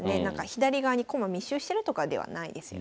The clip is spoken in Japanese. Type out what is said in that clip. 左側に駒密集してるとかではないですよね。